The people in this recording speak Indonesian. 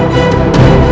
aku mau pergi